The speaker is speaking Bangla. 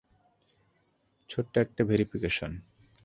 ছোট্ট একটা ভেরিফিকেশন।